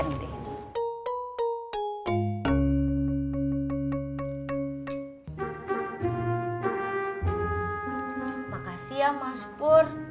terima kasih ya mas bur